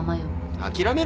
諦めろ。